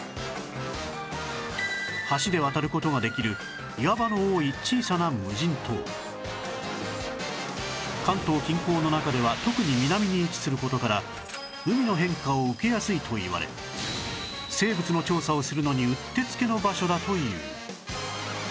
橋で渡る事ができる関東近郊の中では特に南に位置する事から海の変化を受けやすいといわれ生物の調査をするのにうってつけの場所だという